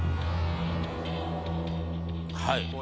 はい。